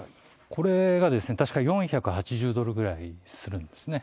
これが、確か４８０ドルぐらいするんですね。